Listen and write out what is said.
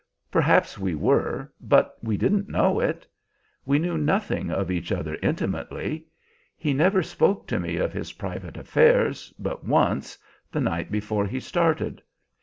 Perhaps we were, but we didn't know it. We knew nothing of each other intimately. He never spoke to me of his private affairs but once, the night before he started.